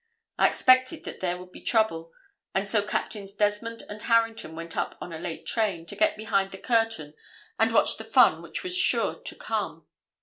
I expected that there would be trouble, and so Captains Desmond and Harrington went up on a late train to get behind the curtain and watch the fun which was sure to come.